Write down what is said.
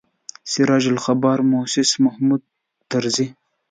سراج الاخبار موسس محمود طرزي.